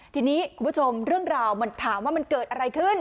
ทีนี้คุณผู้ชมเรื่องราวมันถามว่ามันเกิดอะไรขึ้น